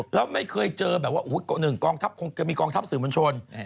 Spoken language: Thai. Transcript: แล้วไม่เคยเจอแบบว่า๑กองทัพคงจะมีกองทัพสื่อมวลชน